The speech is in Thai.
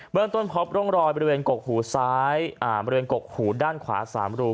เมืองต้นพบร่องรอยบริเวณกกหูซ้ายบริเวณกกหูด้านขวา๓รู